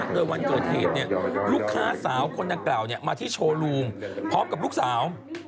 โดยวันเกิดเหตุลูกค้าสาวคนดังกล่าวมาที่โชว์รูมพร้อมกับลูกสาว